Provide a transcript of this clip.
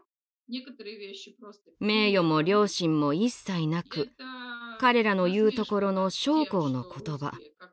名誉も良心も一切なく彼らの言うところの将校の言葉。